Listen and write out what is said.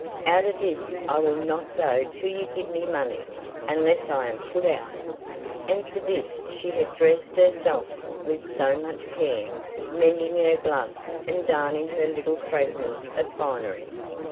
Out of this I will not go till you give me money unless I am put out." And for this she had dressed herself with so much care, mending her gloves, and darning her little fragments of finery!